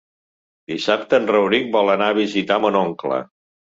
Dissabte en Rauric vol anar a visitar mon oncle.